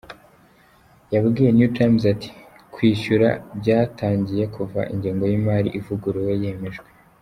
Yabwiye New Times ati “Kwishyura byatangiye kuva ingengo y’imari ivuguruye yemejwe.